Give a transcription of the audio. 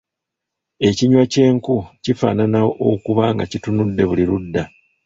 Ekinywa ky’enku kifaanana okuba nga kitunudde buli ludda.